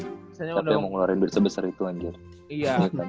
tapi emang ngeluarin biar sebesar itu anjir